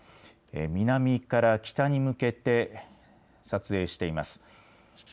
南から北に向けて撮影しています。